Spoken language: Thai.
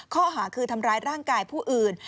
ข้อหาคือทำร้ายร่างกายผู้อื่น